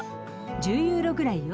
１０ユーロぐらいよ。